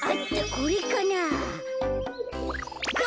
これかなあ？